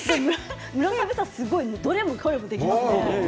村雨さんどれもこれもできますね。